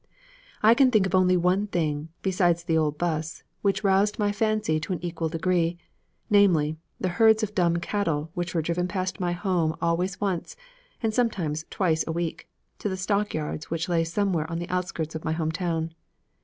I can think of only one thing, besides the old 'bus, which roused my fancy to an equal degree, namely, the herds of dumb cattle which were driven past my home always once, and sometimes twice a week, to the stockyards which lay somewhere on the outskirts of my home town.